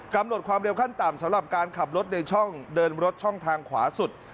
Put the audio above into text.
กำหนดความเร็วขั้นต่ำสำหรับการขับรถในช่องเดินรถช่องทางขวาสุด